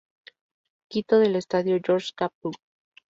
Quito del Estadio George Capwell.